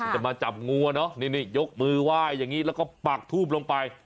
จะมาจับงูเนอะนี่ยกมือไหว้อย่างนี้แล้วก็ปากทูบลงไป